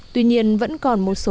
tuy nhiên vẫn còn một số